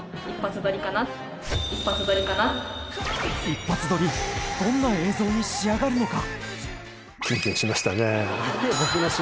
一発撮りどんな映像に仕上がるのか？